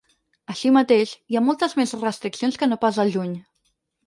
Així mateix, hi ha moltes més restriccions que no pas al juny.